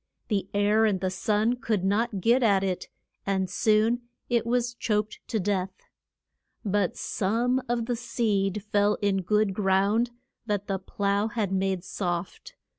The air and the sun could not get at it, and soon it was choked to death. But some of the seed fell in good ground, that the plough had made soft.